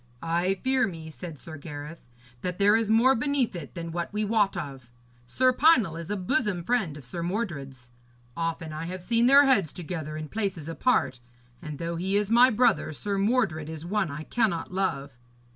'I fear me,' said Sir Gareth, 'that there is more beneath it all than we wot of. Sir Pinel is a bosom friend of Sir Mordred's. Often have I seen their heads together in places apart. And though he is my brother, Sir Mordred is one I cannot love.'